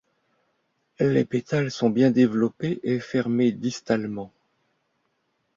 Les pétales sont bien développés et fermés distalement.